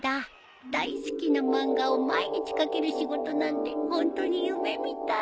大好きな漫画を毎日描ける仕事なんてホントに夢みたい。